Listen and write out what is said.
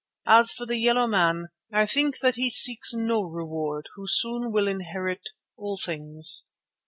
As for the yellow man, I think that he seeks no reward who soon will inherit all things."